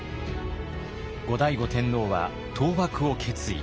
後醍醐天皇は倒幕を決意。